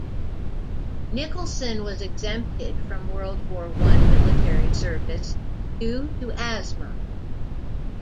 Nicholson was exempted from World War One military service due to asthma.